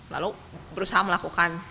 lalu berusaha melakukan